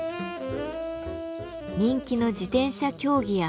人気の自転車競技や風車。